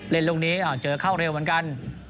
เล่นลงนี้อ่าเจอเข้าเร็วเหมือนกัน